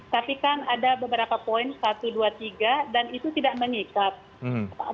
tapi kan ada beberapa poin satu dua tiga dan itu tidak mengikat